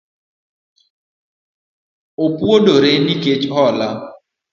Opuodore nikech hola